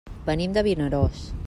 Venim de Vinaròs.